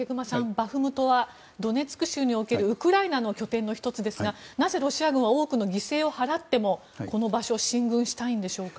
バフムトはドネツク州におけるウクライナの拠点の１つですがなぜロシア軍は多くの犠牲を払ってもこの場所に進軍したいんでしょうか。